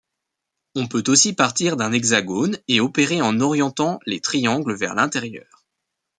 On peut aussi partir d'un hexagone, et opérer en orientant les triangles vers l'intérieur.